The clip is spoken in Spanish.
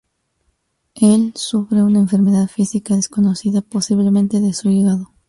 Él sufre de una enfermedad física desconocida, posiblemente de su hígado.